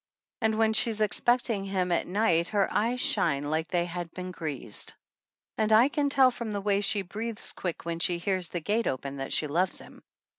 And when she's expecting him at night her eyes shine like they had been greased ; and I can tell from the way she breathes quick when she hears the gate open that she loves him.